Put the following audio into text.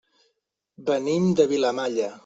Venim de Vilamalla.